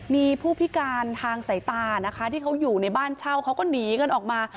มีผู้พิการทางสายตานะคะที่เขาอยู่ในบ้านเช่าเขาก็หนีกันออกมา